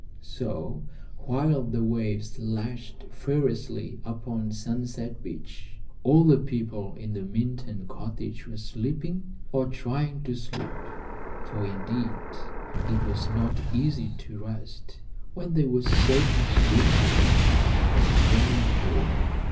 So, while the waves lashed furiously upon Sunset Beach, all the people in the Minturn cottage were sleeping, or trying to sleep, for, indeed, it was not easy to rest when there was so much danger at their very door.